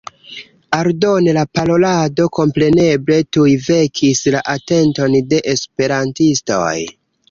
Aldone la parolado kompreneble tuj vekis la atenton de esperantistoj.